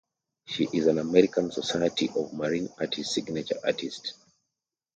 She is an American Society of Marine Artists Signature Artist.